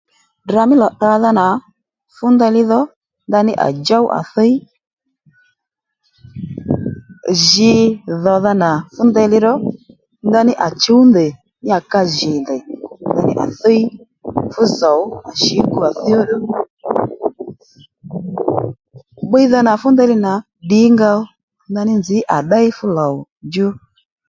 Ddrà mí lò tdradha nà fú ndeyli dho ndaní à djów à thíy jǐ dhòdha nà fú ndeyli ró ndaní à chǔw ndèy níyà ka jì ndèy ndaní à thíy ó fú zòw à shǐ gu à thíy óddù bbiydha nà fú ndeyli nà ddǐ nga ó ndaní nzǐ à ddéy fú lò djú